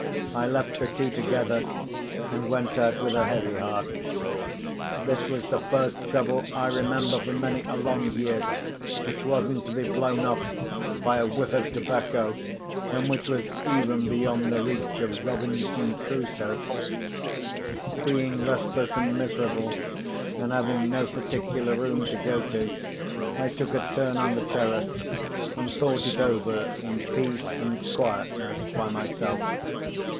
I left the two together, and went out with a heavy heart. This was the first trouble I remember for many a long year which wasn't to be blown off by a whiff of tobacco, and which was even beyond the reach of Robinson Crusoe. Being restless and miserable, and having no particular room to go to, I took a turn on the terrace, and thought it over in peace and quietness by myself.